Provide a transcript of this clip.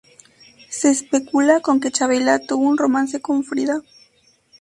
Se especula con que Chavela tuvo un romance con Frida.